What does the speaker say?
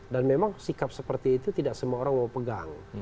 dan memang sikap seperti itu tidak semua orang mau pegang